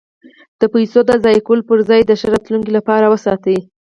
د پیسو د ضایع کولو پرځای یې د ښه راتلونکي لپاره وساتئ.